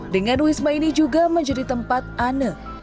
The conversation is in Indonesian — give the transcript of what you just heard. dengan wisma ini juga menjadi tempat ane